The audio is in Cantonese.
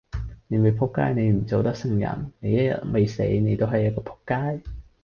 你未仆街你唔做得聖人，你一日未死你都係一個仆街。